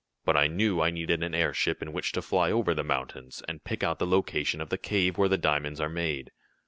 But I knew I needed an airship in which to fly over the mountains, and pick out the location of the cave where the diamonds are made."